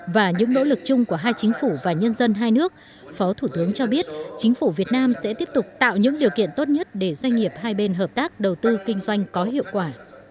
và những nỗ lực chung của hai chính phủ và nhân dân hai nước phó thủ tướng cho biết chính phủ việt nam sẽ tiếp tục tạo những điều kiện tốt nhất để doanh nghiệp hai bên hợp tác đầu tư kinh doanh có hiệu quả